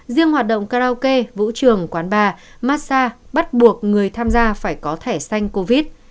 riêng hoạt động karaoke vũ trường quán bar massage bắt buộc người tham gia phải có thẻ xanh covid